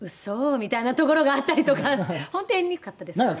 みたいなところがあったりとか本当やりにくかったですからね。